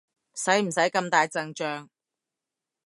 使唔使咁大陣仗？